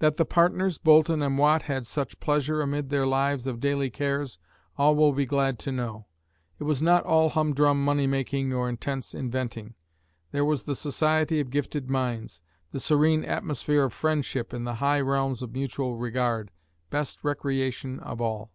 That the partners, Boulton and Watt, had such pleasure amid their lives of daily cares, all will be glad to know. It was not all humdrum money making nor intense inventing. There was the society of gifted minds, the serene atmosphere of friendship in the high realms of mutual regard, best recreation of all.